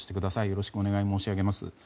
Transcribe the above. よろしくお願い申し上げます。